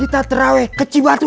kita taraweh ke cibatu